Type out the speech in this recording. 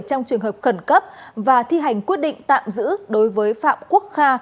trong trường hợp khẩn cấp và thi hành quyết định tạm giữ đối với phạm quốc kha